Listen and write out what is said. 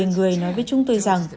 tám một mươi người nói với chúng tôi rằng